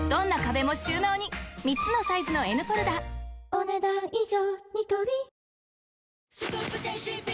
お、ねだん以上。